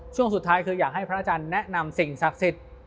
ช่วงสุดท้ายคืออยากให้พระอาจารย์แนะนำสิ่งศักดิ์สิทธิ์